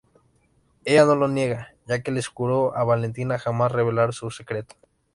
Ella no lo niega, ya que le juró a Valentina jamás revelar su secreto.